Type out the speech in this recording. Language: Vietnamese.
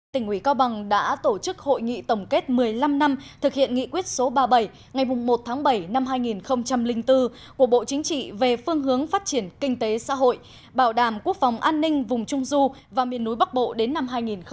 tỉnh ủy cao bằng đã tổ chức hội nghị tổng kết một mươi năm năm thực hiện nghị quyết số ba mươi bảy ngày một tháng bảy năm hai nghìn bốn của bộ chính trị về phương hướng phát triển kinh tế xã hội bảo đảm quốc phòng an ninh vùng trung du và miền núi bắc bộ đến năm hai nghìn hai mươi